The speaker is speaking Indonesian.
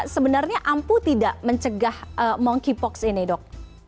sebenarnya ampuh tidak mencegah monkeypox ini dok